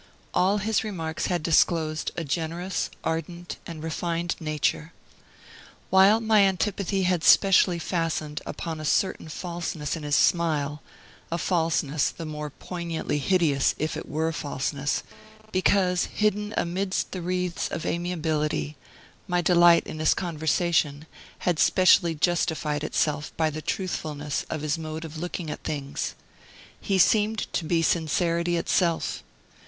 All his remarks had disclosed a generous, ardent, and refined nature. While my antipathy had specially fastened upon a certain falseness in his smile a falseness the more poignantly hideous if it were falseness, because hidden amidst the wreaths of amiability my delight in his conversation had specially justified itself by the truthfulness of his mode of looking at things. He seemed to be sincerity itself.